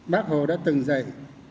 bác hồ đã từng dạy